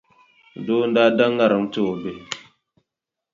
Doo n-daa da ŋariŋ n-ti o bihi.